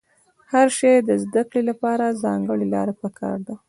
د هر شي د زده کړې له پاره ځانګړې لاره په کار ده.